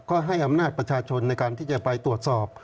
ก็ให้อำนาจประชาชนในการที่จะไปตรวจสอบ